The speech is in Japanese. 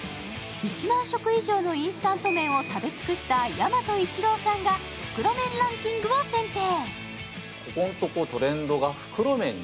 １万食以上のインスタント麺を食べ尽くした大和イチロウさんが、袋麺ランキングを選定。